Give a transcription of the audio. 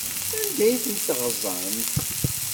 Anda ay ten-teɣzamt?